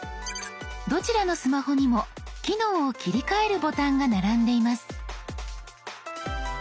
どちらのスマホにも機能を切り替えるボタンが並んでいます。